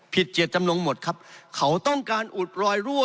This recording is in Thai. เจตจำนงหมดครับเขาต้องการอุดรอยรั่ว